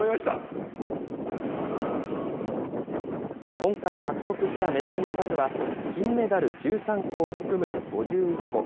今回獲得したメダルの数は、金メダル１３個を含む５１個。